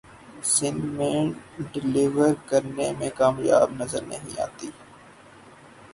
سندھ میں ڈیلیور کرنے میں کامیاب نظر نہیں آتی